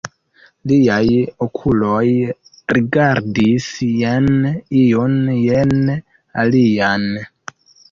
Liaj okuloj rigardis jen iun, jen alian.